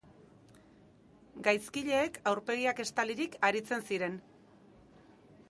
Gaizkileek aurpegiak estalirik aritzen ziren.